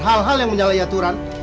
hal hal yang menyalah yaturan